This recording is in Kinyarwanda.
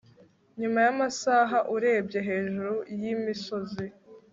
Nyuma yamasaha urebye hejuru yimisozi